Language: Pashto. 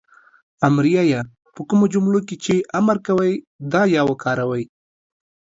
امریه "ئ" په کومو جملو کې چې امر کوی دا "ئ" وکاروئ